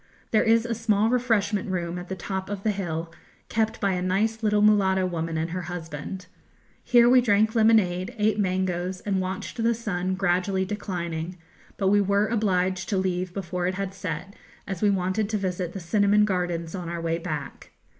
There is a small refreshment room at the top of the hill, kept by a nice little mulatto woman and her husband. Here we drank lemonade, ate mangoes, and watched the sun gradually declining, but we were obliged to leave before it had set, as we wanted to visit the cinnamon gardens on our way back.